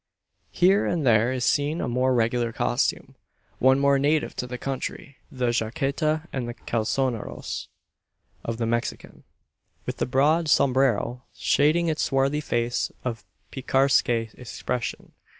Here and there is seen a more regular costume one more native to the country the jaqueta and calzoneros of the Mexican, with the broad sombrero shading his swarthy face of picaresque expression.